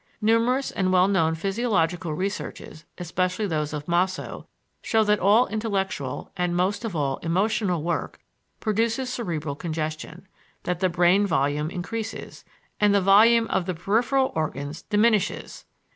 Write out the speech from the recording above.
Numerous and well known physiological researches, especially those of Mosso, show that all intellectual, and, most of all, emotional, work, produces cerebral congestion; that the brain volume increases, and the volume of the peripheral organs diminishes.